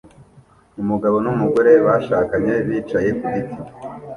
Umugabo n'umugore bashakanye bicaye ku giti